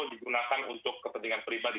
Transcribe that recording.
digunakan untuk kepentingan pribadi